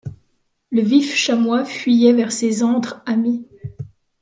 Le vif chamois fuyait vers ses antres amis ;